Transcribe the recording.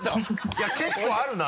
いや結構あるな！